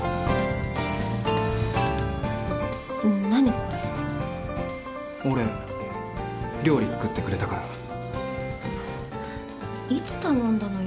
これお礼料理作ってくれたからいつ頼んだのよ